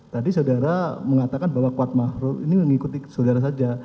tadi saudara mengatakan bahwa kuat makhluk ini mengikuti saudara saja